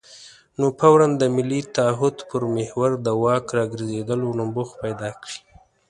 نو فوراً د ملي تعهد پر محور د واک راګرځېدلو نبوغ پیدا کړي.